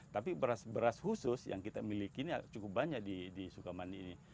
tapi beras khusus yang kita miliki cukup banyak di sukamani ini